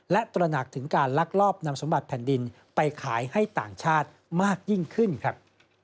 และตระหนักถึงการลักลอบนำสมบัติแผ่นดินไปขายให้ต่างชาติมากยิ่งขึ้นครับ